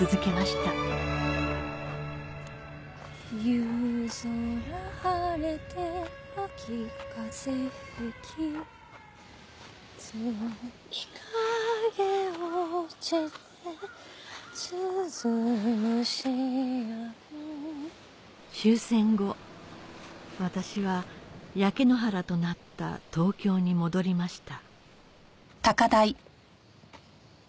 「夕空晴れて秋風吹き」「月影落ちて鈴虫鳴く」終戦後私は焼け野原となった東京に戻りました